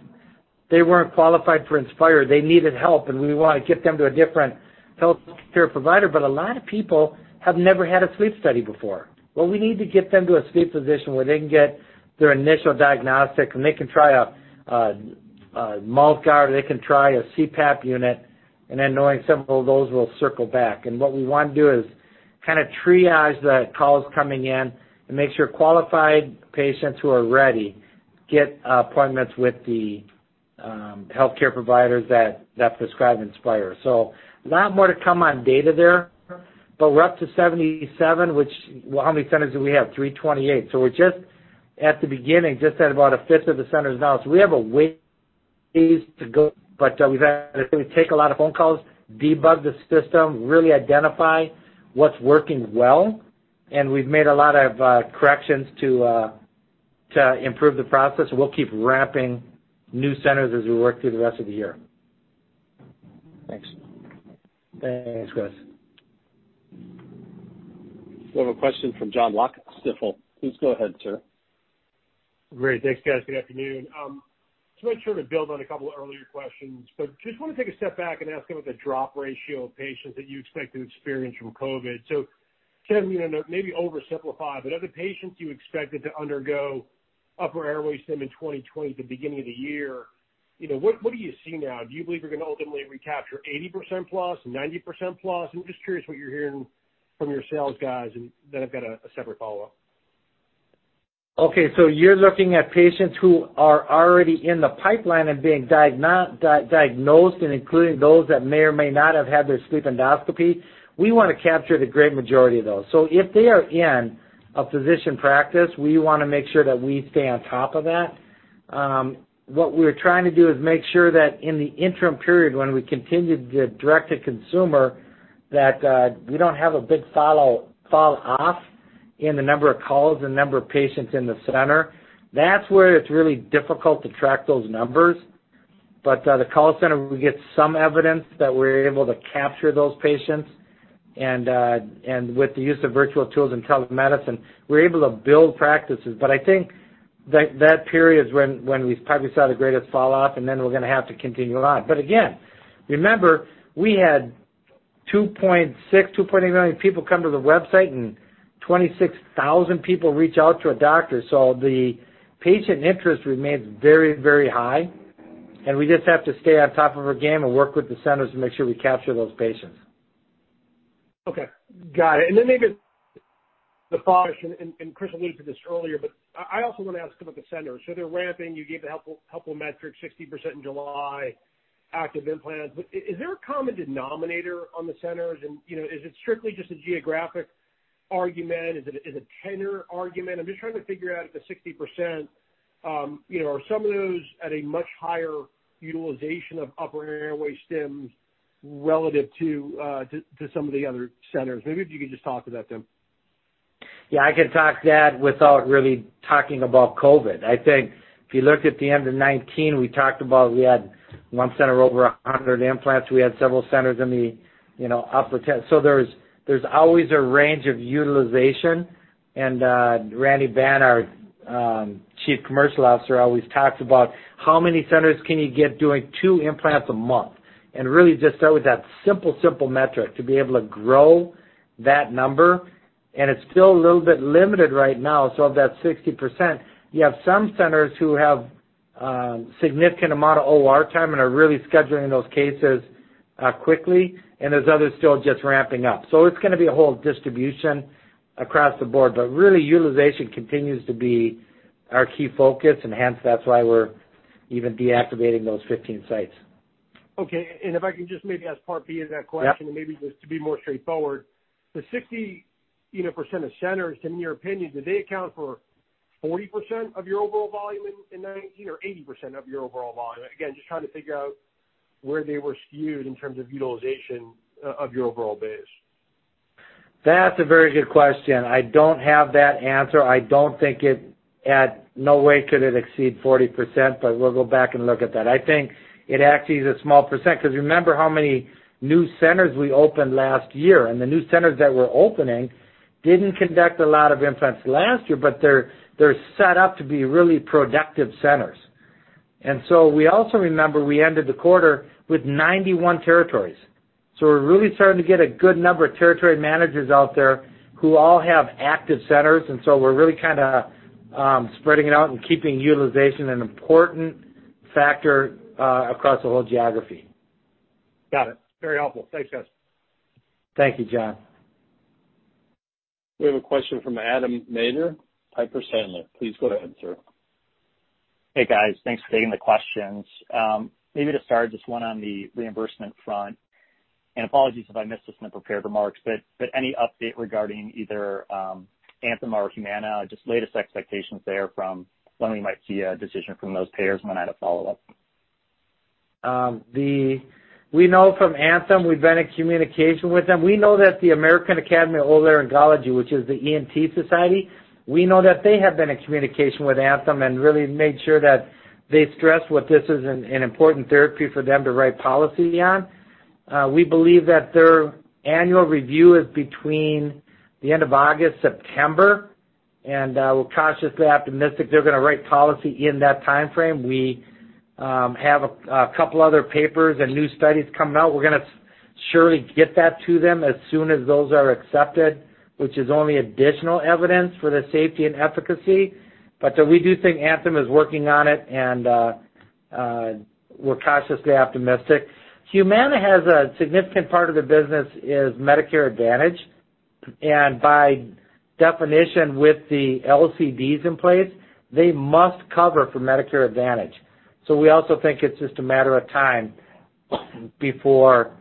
they weren't qualified for Inspire. They needed help, and we want to get them to a different healthcare provider. A lot of people have never had a sleep study before. Well, we need to get them to a sleep physician where they can get their initial diagnostic, and they can try a mouth guard, or they can try a CPAP unit. Knowing some of those will circle back. What we want to do is kind of triage the calls coming in and make sure qualified patients who are ready get appointments with the healthcare providers that prescribe Inspire. A lot more to come on data there, but we're up to 77, which how many centers do we have? 328. We're just at the beginning, just at about a fifth of the centers now. We have a ways to go, but we've had to take a lot of phone calls, debug the system, really identify what's working well. We've made a lot of corrections to improve the process, and we'll keep ramping new centers as we work through the rest of the year. Thanks. Thanks, Chris. We have a question from Jon Block at Stifel. Please go ahead, sir. Great. Thanks, guys. Good afternoon. Just want to sort of build on a couple of earlier questions, just want to take a step back and ask about the drop ratio of patients that you expect to experience from COVID. Tim, maybe oversimplify, but of the patients you expected to undergo Upper Airway in 2020 at the beginning of the year, what do you see now? Do you believe you're going to ultimately recapture 80%+, 90%+? I'm just curious what you're hearing from your sales guys. I've got a separate follow-up. Okay, you're looking at patients who are already in the pipeline and being diagnosed, and including those that may or may not have had their sleep endoscopy. We want to capture the great majority of those. If they are in a physician practice, we want to make sure that we stay on top of that. What we're trying to do is make sure that in the interim period, when we continue the direct-to-consumer, that we don't have a big fall off in the number of calls, the number of patients in the center. That's where it's really difficult to track those numbers. The call center, we get some evidence that we're able to capture those patients. With the use of virtual tools and telemedicine, we're able to build practices. I think that period is when we probably saw the greatest fall off. We're going to have to continue on. Again, remember, we had 2.6 million, 2.8 million people come to the website, and 26,000 people reach out to a doctor. The patient interest remains very high, and we just have to stay on top of our game and work with the centers to make sure we capture those patients. Okay. Got it. Then maybe the follow-up question, Chris alluded to this earlier, but I also want to ask about the centers. They're ramping. You gave a helpful metric, 60% in July, active implants. Is there a common denominator on the centers? Is it strictly just a geographic argument? Is it a tenure argument? I'm just trying to figure out if the 60%, are some of those at a much higher utilization of Upper Airway Stims relative to some of the other centers. Maybe if you could just talk to that, Tim. Yeah, I can talk to that without really talking about COVID. I think if you looked at the end of 2019, we talked about, we had one center over 100 implants. We had several centers in the upper 10. There's always a range of utilization. Randy Ban, our Chief Commercial Officer, always talks about how many centers can you get doing two implants a month. Really just start with that simple metric to be able to grow that number. It's still a little bit limited right now. Of that 60%, you have some centers who have significant amount of OR time and are really scheduling those cases quickly, and there's others still just ramping up. It's going to be a whole distribution across the board. Really, utilization continues to be our key focus. Hence, that's why we're even deactivating those 15 sites. Okay. If I can just maybe ask part B of that question. Yeah. Maybe just to be more straightforward. The 60% of centers, in your opinion, do they account for 40% of your overall volume in 2019, or 80% of your overall volume? Again, just trying to figure out where they were skewed in terms of utilization of your overall base. That's a very good question. I don't have that answer. I don't think it At no way could it exceed 40%. We'll go back and look at that. I think it actually is a small percent because remember how many new centers we opened last year. The new centers that we're opening didn't conduct a lot of implants last year, but they're set up to be really productive centers. We also remember we ended the quarter with 91 territories. We're really starting to get a good number of territory managers out there who all have active centers. We're really kind of spreading it out and keeping utilization an important factor across the whole geography. Got it. Very helpful. Thanks, guys. Thank you, Jon. We have a question from Adam Maeder, Piper Sandler. Please go ahead, sir. Hey, guys. Thanks for taking the questions. Maybe to start, just one on the reimbursement front. Apologies if I missed this in the prepared remarks, but any update regarding either Anthem or Humana? Just latest expectations there from when we might see a decision from those payers. I had a follow-up. We know from Anthem, we've been in communication with them. We know that the American Academy of Otolaryngology, which is the ENT society, we know that they have been in communication with Anthem and really made sure that they stress what this is an important therapy for them to write policy on. We believe that their annual review is between the end of August, September, and we're cautiously optimistic they're going to write policy in that timeframe. We have a couple other papers and new studies coming out. We're going to surely get that to them as soon as those are accepted, which is only additional evidence for the safety and efficacy. We do think Anthem is working on it, and we're cautiously optimistic. Humana has a significant part of the business is Medicare Advantage, and by definition, with the LCDs in place, they must cover for Medicare Advantage. We also think it's just a matter of time before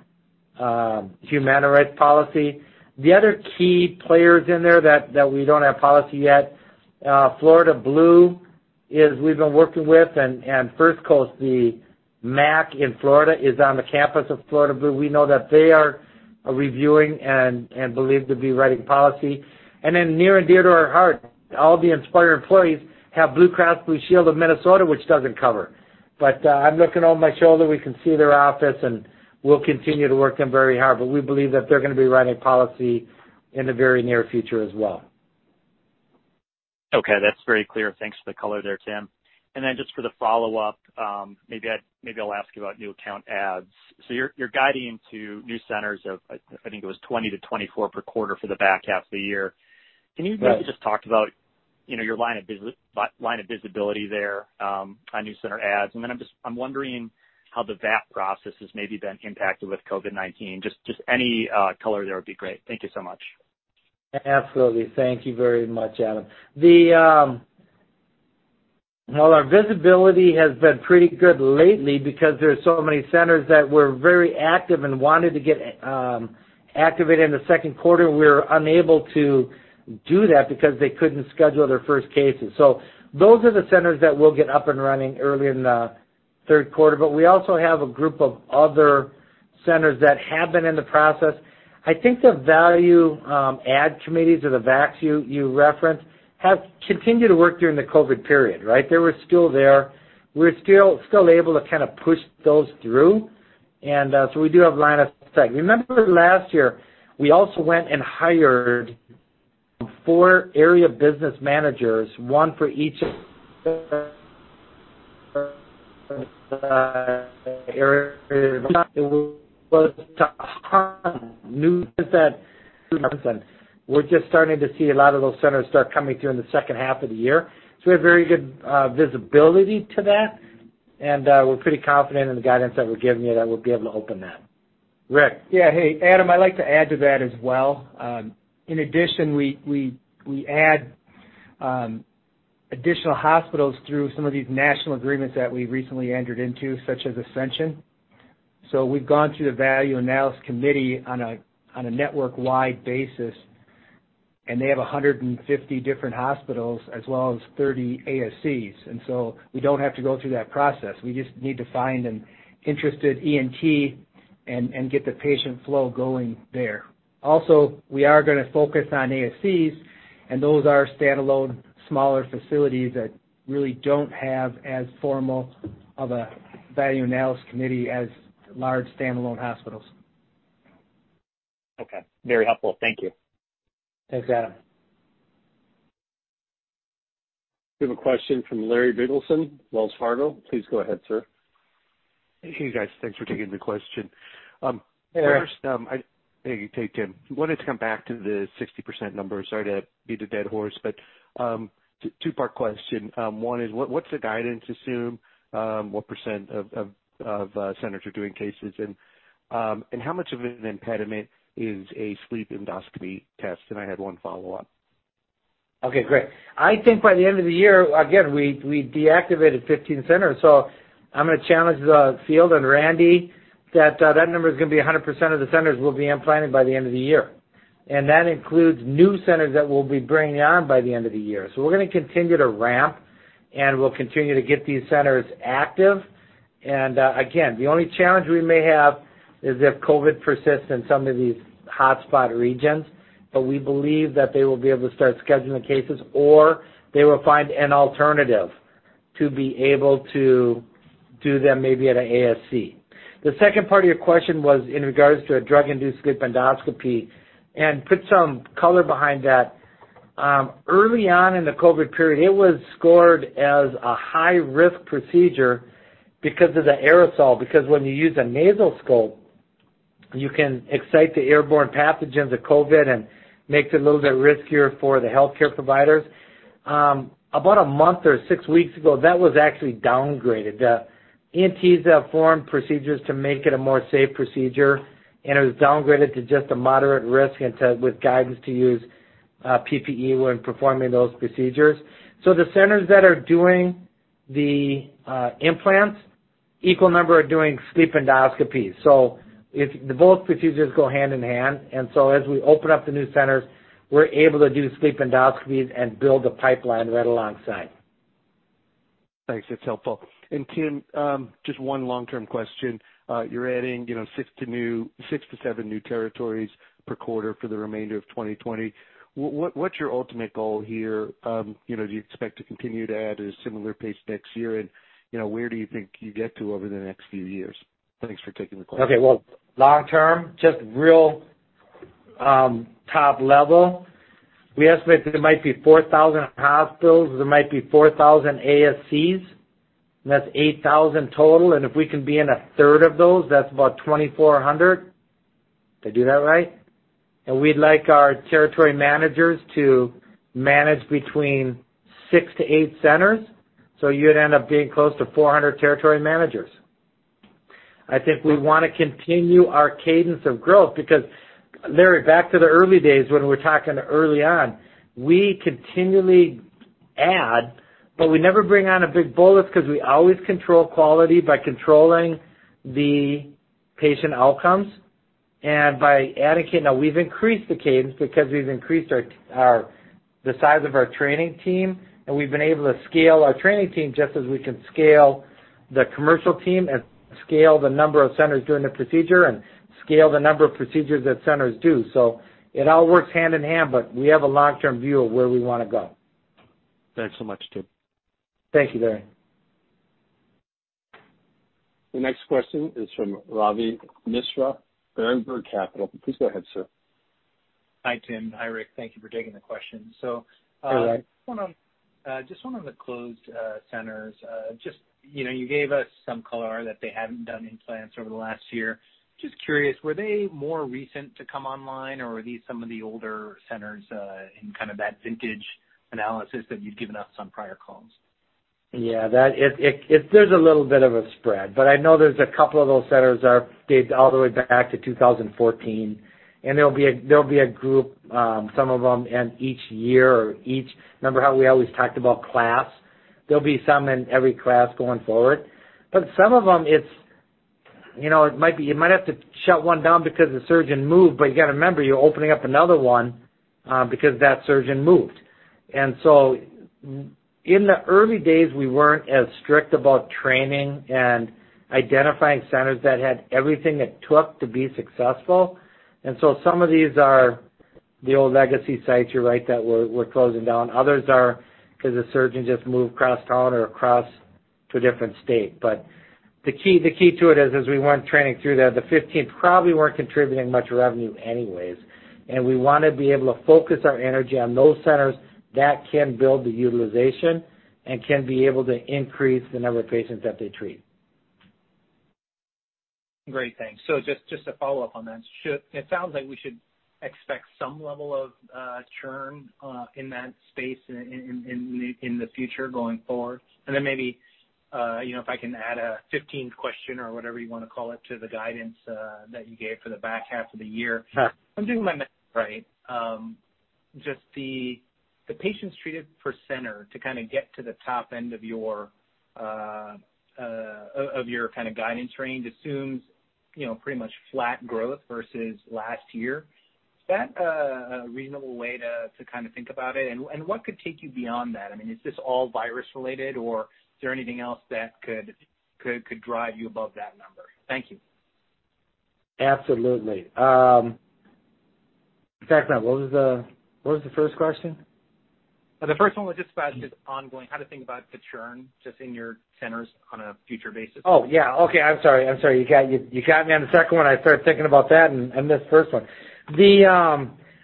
Humana writes policy. The other key players in there that we don't have policy yet, Florida Blue is we've been working with and First Coast, the MAC in Florida, is on the campus of Florida Blue. We know that they are reviewing and believed to be writing policy. Near and dear to our heart, all the Inspire employees have Blue Cross and Blue Shield of Minnesota, which doesn't cover. I'm looking over my shoulder. We can see their office, and we'll continue to work them very hard. We believe that they're going to be writing policy in the very near future as well. Okay, that's very clear. Thanks for the color there, Tim. Just for the follow-up, maybe I'll ask you about new account adds. You're guiding to new centers of, I think it was 20 to 24/quarter for the back half of the year. Right. Can you maybe just talk about your line of visibility there on new center adds? I'm just wondering how the VAC process has maybe been impacted with COVID-19. Just any color there would be great. Thank you so much. Absolutely. Thank you very much, Adam. Well, our visibility has been pretty good lately because there are so many centers that were very active and wanted to get activated in the second quarter. We were unable to do that because they couldn't schedule their first cases. Those are the centers that will get up and running early in the third quarter. We also have a group of other centers that have been in the process. I think the Value Ad Committees, or the VACs you referenced, have continued to work during the COVID period, right? They were still there. We're still able to kind of push those through. We do have line of sight. Remember last year, we also went and hired four area business managers, one for each area. It was new to that person. We're just starting to see a lot of those centers start coming through in the second half of the year. We have very good visibility to that, and we're pretty confident in the guidance that we're giving you that we'll be able to open that. Rick? Yeah. Hey, Adam, I'd like to add to that as well. We add additional hospitals through some of these national agreements that we recently entered into, such as Ascension. We've gone through the Value Analysis Committee on a network-wide basis, and they have 150 different hospitals as well as 30 ASCs. We don't have to go through that process. We just need to find an interested ENT and get the patient flow going there. We are going to focus on ASCs, and those are standalone smaller facilities that really don't have as formal of a Value Analysis Committee as large standalone hospitals. Okay. Very helpful. Thank you. Thanks, Adam. We have a question from Larry Biegelsen, Wells Fargo. Please go ahead, sir. Hey, guys. Thanks for taking the question. Hey, Larry. Hey, Tim. Wanted to come back to the 60% number. Sorry to beat a dead horse, two-part question. One is, what's the guidance assume, what % of centers are doing cases? How much of an impediment is a sleep endoscopy test? I had one follow-up. Okay, great. I think by the end of the year, again, we deactivated 15 centers. I'm gonna challenge the field and Randy that that number is gonna be 100% of the centers will be implanted by the end of the year. That includes new centers that we'll be bringing on by the end of the year. We're gonna continue to ramp, and we'll continue to get these centers active. Again, the only challenge we may have is if COVID persists in some of these hotspot regions. We believe that they will be able to start scheduling the cases, or they will find an alternative to be able to do them maybe at an ASC. The second part of your question was in regards to a drug-induced sleep endoscopy. Put some color behind that, early on in the COVID period, it was scored as a high-risk procedure because of the aerosol. Because when you use a nasal scope, you can excite the airborne pathogens of COVID, and makes it a little bit riskier for the healthcare providers. About a month or six weeks ago, that was actually downgraded. The ENTs have formed procedures to make it a more safe procedure, and it was downgraded to just a moderate risk and with guidance to use PPE when performing those procedures. The centers that are doing the implants, equal number are doing sleep endoscopies. Both procedures go hand in hand. As we open up the new centers, we're able to do sleep endoscopies and build the pipeline right alongside. Thanks. That's helpful. Tim, just one long-term question. You're adding six to seven new territories per quarter for the remainder of 2020. What's your ultimate goal here? Do you expect to continue to add at a similar pace next year? Where do you think you get to over the next few years? Thanks for taking the question. Okay. Well, long term, just real top level, we estimate there might be 4,000 hospitals, there might be 4,000 ASCs. That's 8,000 total. If we can be in 1/3 of those, that's about 2,400. Did I do that right? We'd like our territory managers to manage between six to eight centers. You'd end up being close to 400 territory managers. I think we want to continue our cadence of growth because, Larry, back to the early days when we're talking early on, we continually add, but we never bring on a big bullet because we always control quality by controlling the patient outcomes and by adding. Now, we've increased the cadence because we've increased the size of our training team, and we've been able to scale our training team just as we can scale the commercial team and scale the number of centers doing the procedure and scale the number of procedures that centers do. It all works hand in hand, but we have a long-term view of where we want to go. Thanks so much, Tim. Thank you, Larry. The next question is from Ravi Misra, Berenberg Capital. Please go ahead, sir. Hi, Tim. Hi, Rick. Thank you for taking the question. Hey, Ravi. Just one on the closed centers. Just you gave us some color that they haven't done implants over the last year. Just curious, were they more recent to come online, or are these some of the older centers in kind of that vintage analysis that you've given us on prior calls? Yeah. There's a little bit of a spread, but I know there's a couple of those centers are dated all the way back to 2014. There'll be a group, some of them in each year or each Remember how we always talked about class? There'll be some in every class going forward. Some of them, it might be you might have to shut one down because a surgeon moved, but you got to remember, you're opening up another one because that surgeon moved. In the early days, we weren't as strict about training and identifying centers that had everything it took to be successful. Some of these are the old legacy sites, you're right, that we're closing down. Others are because a surgeon just moved across town or across to a different state. The key to it is, we want training through that. The 15 probably weren't contributing much revenue anyways, and we want to be able to focus our energy on those centers that can build the utilization and can be able to increase the number of patients that they treat. Great. Thanks. Just to follow up on that, it sounds like we should expect some level of churn in that space in the future going forward. Maybe if I can add a 15th question or whatever you want to call it to the guidance that you gave for the back half of the year. Sure. I'm doing my math, right? Just the patients treated per center to kind of get to the top end of your kind of guidance range assumes pretty much flat growth versus last year. Is that a reasonable way to kind of think about it? What could take you beyond that? I mean, is this all virus related, or is there anything else that could drive you above that number? Thank you. Absolutely. In fact, what was the first question? The first one was just about just ongoing, how to think about the churn just in your centers on a future basis. Oh, yeah. Okay, I'm sorry. You caught me on the second one. I started thinking about that and missed the first one.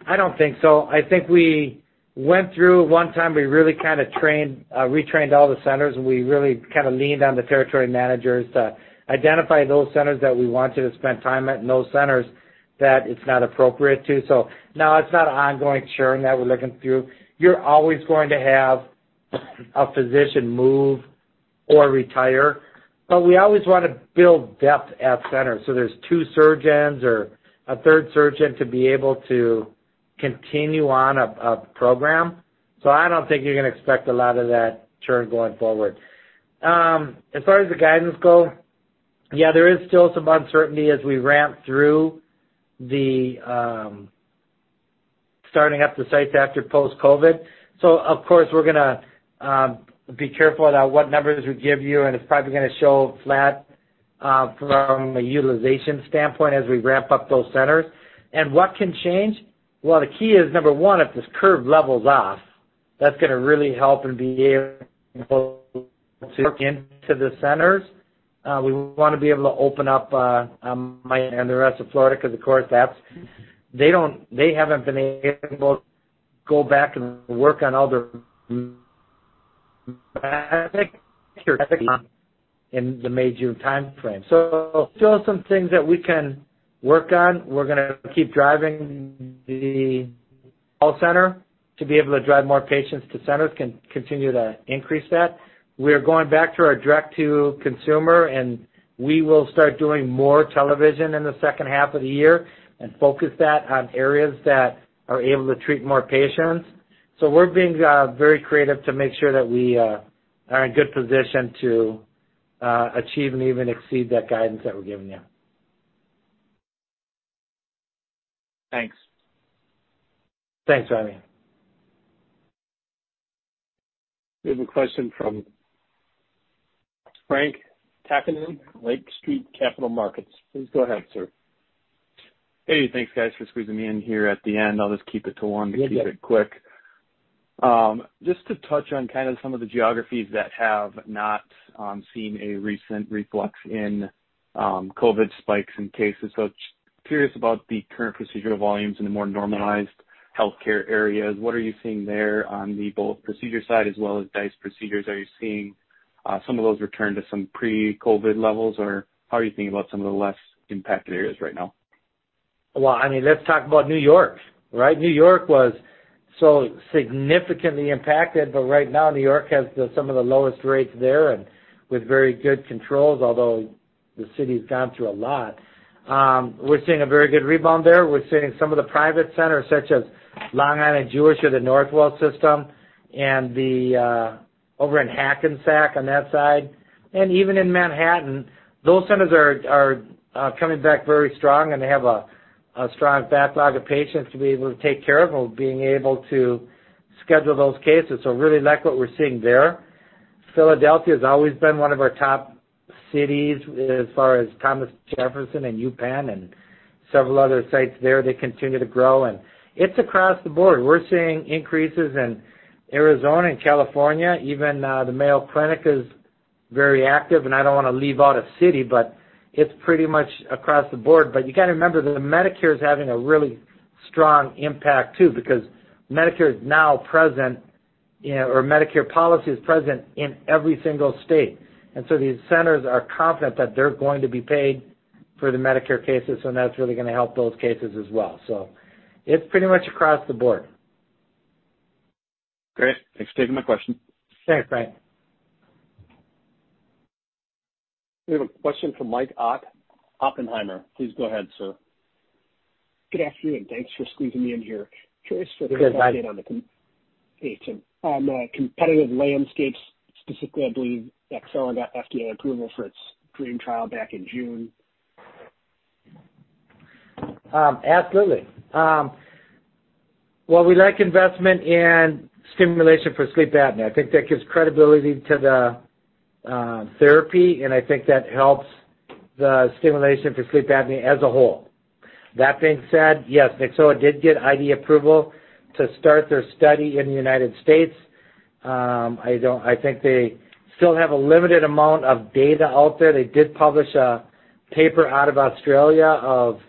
I don't think so. I think we went through one time where we really kind of retrained all the centers, and we really kind of leaned on the territory managers to identify those centers that we wanted to spend time at and those centers that it's not appropriate to. No, it's not ongoing churn that we're looking through. You're always going to have a physician move or retire, but we always want to build depth at centers, so there's two surgeons or a third surgeon to be able to continue on a program. I don't think you're going to expect a lot of that churn going forward. As far as the guidance go, yeah, there is still some uncertainty as we ramp through the starting up the sites after post-COVID. Of course, we're going to be careful about what numbers we give you, and it's probably going to show flat from a utilization standpoint as we ramp up those centers. What can change? The key is, number one, if this curve levels off, that's going to really help and be able to work into the centers. We want to be able to open up Miami and the rest of Florida, because of course, they haven't been able to go back and work on all their in the May, June timeframe. Still some things that we can work on. We're going to keep driving the call center to be able to drive more patients to centers, continue to increase that. We are going back to our direct-to-consumer. We will start doing more television in the second half of the year and focus that on areas that are able to treat more patients. We're being very creative to make sure that we are in good position to achieve and even exceed that guidance that we're giving you. Thanks. Thanks, Ravi. We have a question from Frank Takkinen, Lake Street Capital Markets. Please go ahead, sir. Hey, thanks, guys, for squeezing me in here at the end. I'll just keep it to one to keep it quick. You bet. Just to touch on kind of some of the geographies that have not seen a recent influx in COVID-19 spikes in cases. Curious about the current procedural volumes in the more normalized healthcare areas. What are you seeing there on the both procedure side as well as DISE procedures? Are you seeing some of those return to some pre-COVID levels, or how are you thinking about some of the less impacted areas right now? I mean, let's talk about New York, right? New York was so significantly impacted, but right now New York has some of the lowest rates there and with very good controls, although the city's gone through a lot. We're seeing a very good rebound there. We're seeing some of the private centers such as Long Island Jewish or the Northwell Health and over in Hackensack on that side, and even in Manhattan. Those centers are coming back very strong, and they have a strong backlog of patients to be able to take care of and being able to schedule those cases. Really like what we're seeing there. Philadelphia has always been one of our top cities as far as Thomas Jefferson and UPenn and several other sites there. They continue to grow, and it's across the board. We're seeing increases in Arizona and California. Even the Mayo Clinic is very active, and I don't want to leave out a city, but it's pretty much across the board. You got to remember that the Medicare is having a really strong impact, too, because Medicare is now present, or Medicare policy is present in every single state. So these centers are confident that they're going to be paid for the Medicare cases, so that's really going to help those cases as well. It's pretty much across the board. Great. Thanks for taking my question. Thanks, Frank. We have a question from Mike Ott, Oppenheimer. Please go ahead, sir. Good afternoon, thanks for squeezing me in here. [Chase] for the update on the competitive landscapes, specifically Nyxoah got FDA approval for its DREAM trial back in June. Absolutely. We like investment in stimulation for sleep apnea. I think that gives credibility to the therapy, and I think that helps the stimulation for sleep apnea as a whole. That being said, yes, Nyxoah did get IDE approval to start their study in the United States. I think they still have a limited amount of data out there. They did publish a paper out of Australia of,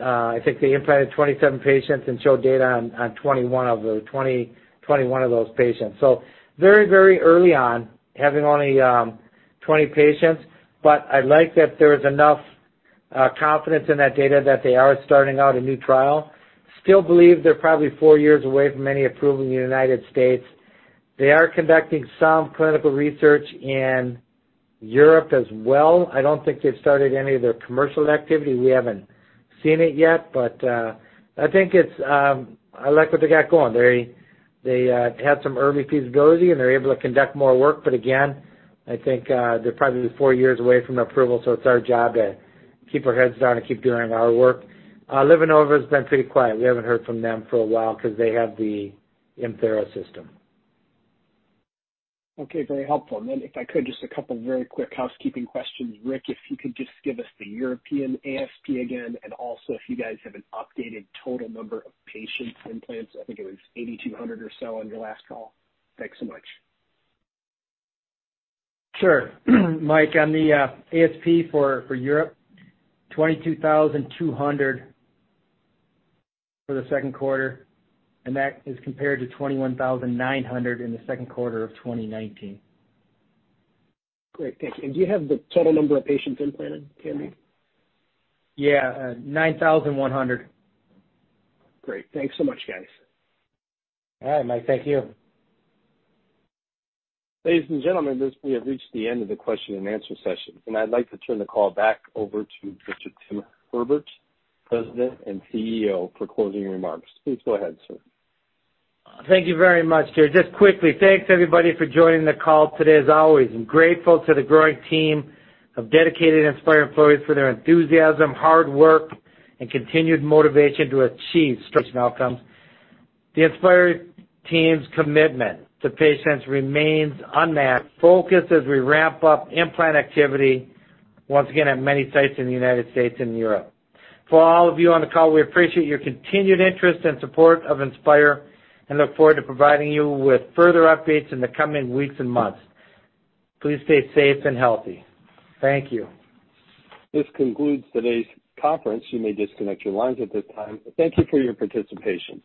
I think they implanted 27 patients and showed data on 21 of those patients. Very early on, having only 20 patients. I like that there is enough confidence in that data that they are starting out a new trial. Still believe they're probably four years away from any approval in the United States. They are conducting some clinical research in Europe as well. I don't think they've started any of their commercial activity. We haven't seen it yet, but I like what they got going. They had some early feasibility, and they're able to conduct more work. Again, I think they're probably four years away from approval, so it's our job to keep our heads down and keep doing our work. LivaNova's been pretty quiet. We haven't heard from them for a while because they have the ImThera system. Okay. Very helpful. If I could, just a couple very quick housekeeping questions. Rick, if you could just give us the European ASP again and also if you guys have an updated total number of patients implants, I think it was 8,200 or so on your last call. Thanks so much. Sure. Mike, on the ASP for Europe, $22,200 for the second quarter, and that is compared to $21,900 in the second quarter of 2019. Great. Thank you. Do you have the total number of patients implanted, Tim? Yeah, 9,100. Great. Thanks so much, guys. All right, Mike. Thank you. Ladies and gentlemen, we have reached the end of the question and answer session, and I'd like to turn the call back over to Mr. Tim Herbert, President and CEO, for closing remarks. Please go ahead, sir. Thank you very much. Just quickly, thanks everybody for joining the call today as always. I'm grateful to the growing team of dedicated Inspire employees for their enthusiasm, hard work, and continued motivation to achieve stretch outcomes. The Inspire team's commitment to patients remains unmatched, focused as we ramp up implant activity once again at many sites in the U.S. and Europe. For all of you on the call, we appreciate your continued interest and support of Inspire and look forward to providing you with further updates in the coming weeks and months. Please stay safe and healthy. Thank you. This concludes today's conference. You may disconnect your lines at this time. Thank you for your participation.